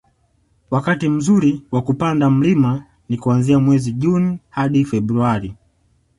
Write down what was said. wakati mzuri kwa kupanda mlima ni kuanzia mwezi Juni hadi Februari